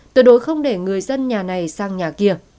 tuyệt đối không để người dân nhà này sang nhà kia